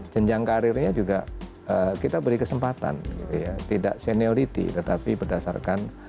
jenjang karirnya juga kita beri kesempatan tidak seniority tetapi berdasarkan